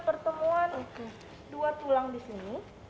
pertemuan itu dua tulang di sini